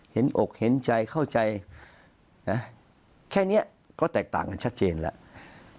อกเห็นใจเข้าใจนะแค่นี้ก็แตกต่างกันชัดเจนแล้ว